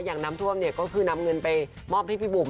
อย่างน้ำท่วมเนี่ยก็คือนำเงินไปมอบให้พี่บุ๋ม